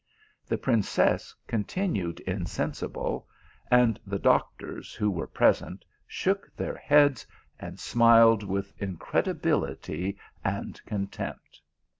The princess continued in sensible, and the doctors, who were present, shook their heads, and smiled with incredibility and con tempt.